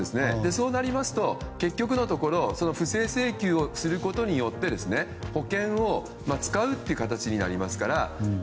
そうなりますと結局のところ不正請求をすることによって保険を使うという形になりますから。